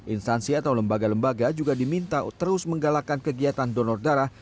instansi atau lembaga lembaga juga diminta terus menggalakkan kegiatan donor darah